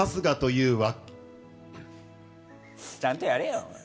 ちゃんとやれよ！